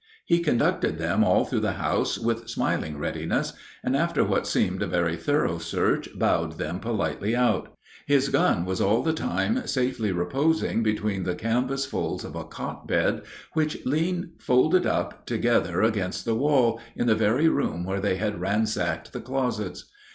He conducted them all through the house with smiling readiness, and after what seemed a very thorough search bowed them politely out. His gun was all the time safely reposing between the canvas folds of a cot bed which leaned folded up together against the wall, in the very room where they had ransacked the closets.